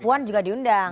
papuan juga diundang